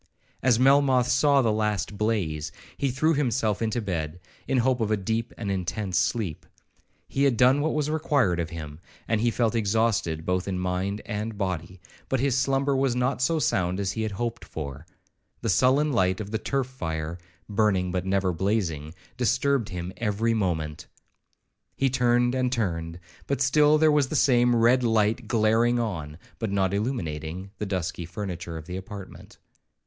As Melmoth saw the last blaze, he threw himself into bed, in hope of a deep and intense sleep. He had done what was required of him, and felt exhausted both in mind and body; but his slumber was not so sound as he had hoped for. The sullen light of the turf fire, burning but never blazing, disturbed him every moment. He turned and turned, but still there was the same red light glaring on, but not illuminating, the dusky furniture of the apartment.